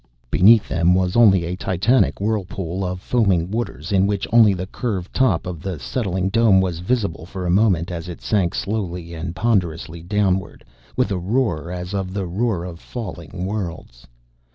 Beneath them was only a titanic whirlpool of foaming waters in which only the curved top of the settling dome was visible for a moment as it sank slowly and ponderously downward, with a roar as of the roar of falling worlds.